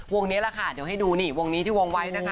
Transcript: นี้แหละค่ะเดี๋ยวให้ดูนี่วงนี้ที่วงไว้นะคะ